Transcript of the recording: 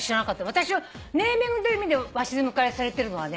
私はネーミングという意味でわしづかみされてるのはね